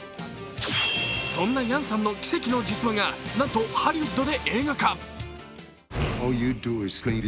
そんなヤンさんの奇跡の実話がなんとハリウッドで映画化。